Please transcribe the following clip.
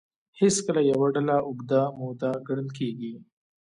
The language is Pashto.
هېڅکله يوه ډېره اوږده موده ګڼل کېږي.